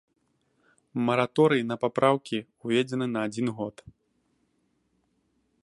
Мараторый на папраўкі ўведзены на адзін год.